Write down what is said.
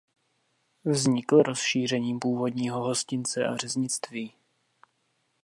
Vznikl rozšířením původního hostince a řeznictví.